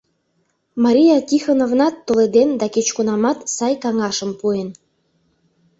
Мария Тихоновнат толеден да кеч кунамат сай каҥашым пуэн.